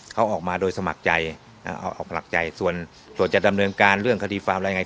เขาออกมาโดยสมัครใจออกสมัครใจส่วนจะดำเนินการเรื่องคดีฟาร์มอะไรยังไง